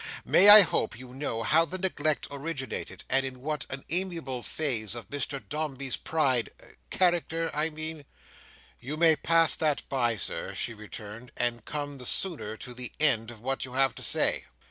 May I hope you know how the neglect originated; in what an amiable phase of Mr Dombey's pride—character I mean?" "You may pass that by, Sir," she returned, "and come the sooner to the end of what you have to say."